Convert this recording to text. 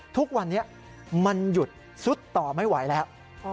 ทุกวันนี้มันหยุดซุดต่อไม่ไหวแล้ว